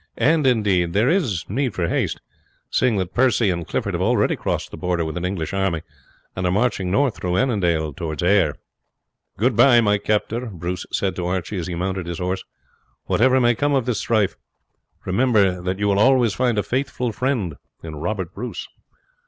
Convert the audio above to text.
And, indeed, there is need for haste, seeing that Percy and Clifford have already crossed the Border with an English army and are marching north through Annandale towards Ayr." "Goodbye, my captor," Bruce said to Archie as he mounted his horse; "whatever may come of this strife, remember that you will always find a faithful friend in Robert Bruce."